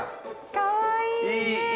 かわいいね。